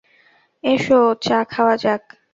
S, চা খাওয়া যাক।